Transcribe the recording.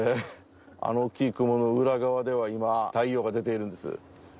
あの大きい雲の裏側では今太陽が出ているんです。